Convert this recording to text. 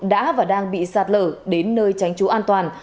đã và đang bị sạt lở đến nơi tránh trú an toàn